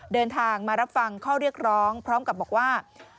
เดินทางมารับฟังข้อเรียกร้องพร้อมกับบอกว่า